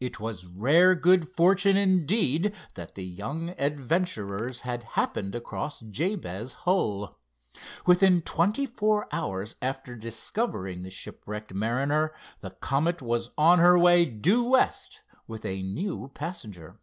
It was rare good fortune, indeed, that the young adventurers had happened across Jabez Hull. Within twenty four hours after discovering the shipwrecked mariner the Comet was on her way due west, with a new passenger.